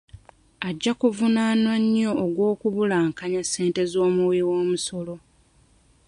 Ajja kuvunaanwa nnyo ogw'okubulankanya ssente z'omuwi w'omusolo .